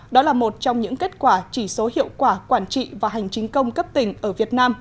đó là một trong những kết quả chỉ số hiệu quả quản trị và hành chính công cấp tỉnh ở việt nam